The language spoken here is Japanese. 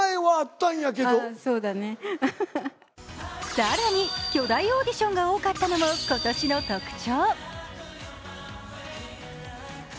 更に巨大オーディションが多かったのも今年の特徴。